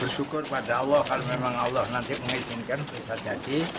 bersyukur pada allah kalau memang allah nanti mengizinkan bisa jadi